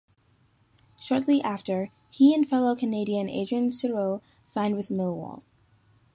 Shortly after, he and fellow Canadian Adrian Serioux signed with Millwall.